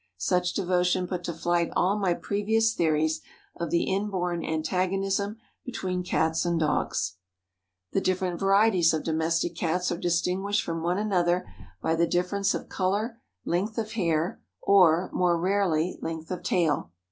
Such devotion put to flight all my previous theories of the inborn antagonism between Cats and dogs. The different varieties of Domestic Cats are distinguished from one another by the difference of color, length of hair or, more rarely, length of tail.